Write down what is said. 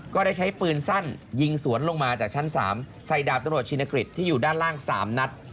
ก็ได้ใช้ปืนสั้นยิงสวนลงมาจากชั้น๓ใส่ดาบตำรวจชินกฤษที่อยู่ด้านล่าง๓นัด